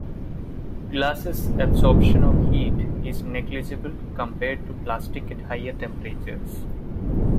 Glass's absorption of heat is negligible compared to plastic at higher temperatures.